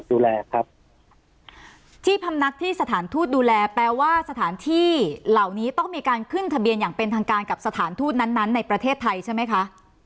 ดูแลครับที่พำนักที่สถานทูตดูแลแปลว่าสถานที่เหล่านี้ต้องมีการขึ้นทะเบียนอย่างเป็นทางการกับสถานทูตนั้นนั้นในประเทศไทยใช่ไหมคะ